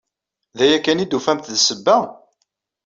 D aya kan i d-tufamt d ssebba?